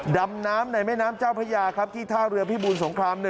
ดำน้ำในแม่น้ำเจ้าพระยาครับที่ท่าเรือพิบูรสงคราม๑